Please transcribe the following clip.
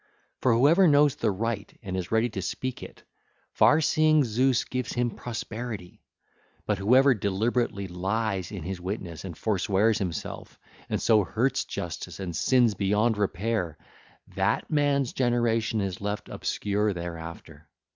For whoever knows the right and is ready to speak it, far seeing Zeus gives him prosperity; but whoever deliberately lies in his witness and forswears himself, and so hurts Justice and sins beyond repair, that man's generation is left obscure thereafter.